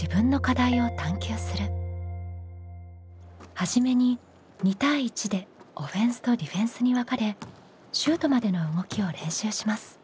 初めに２対１でオフェンスとディフェンスに分かれシュートまでの動きを練習します。